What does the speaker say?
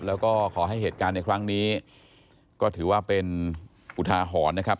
แล้วก็ขอให้เหตุการณ์ในครั้งนี้ก็ถือว่าเป็นอุทาหรณ์นะครับ